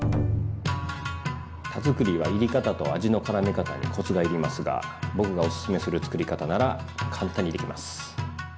田作りはいり方と味の絡め方にコツがいりますが僕がオススメするつくり方なら簡単にできます。